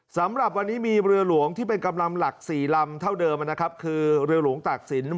สำหรับวันนี้มีเรือหลวงที่เป็นกำลังหลัก๔ลำเท่าเดิมนะครับคือเรือหลวงตากศิลป